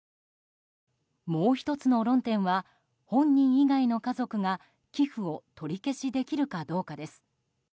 もう１つの論点は本人以外の家族が寄付を取り消しできるかどうかです。